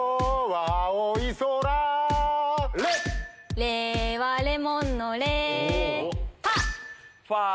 レはレモンのレ